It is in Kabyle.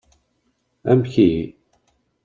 Amek ihi.